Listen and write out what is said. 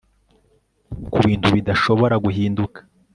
ku bintu bidashobora guhinduka